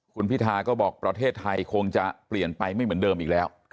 คุณพิธาก็บอกประเทศไทยคงจะเปลี่ยนไปไม่เหมือนเดิมอีกแล้ว